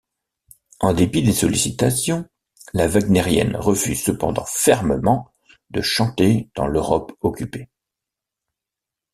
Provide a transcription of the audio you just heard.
En dépit des sollicitations, la wagnérienne refuse cependant fermement de chanter dans l'Europe occupée.